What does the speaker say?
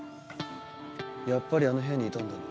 やっぱりあの部屋にいたんだな。